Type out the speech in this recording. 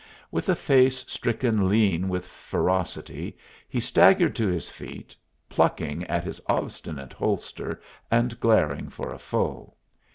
With a face stricken lean with ferocity, he staggered to his feet, plucking at his obstinate holster, and glaring for a foe.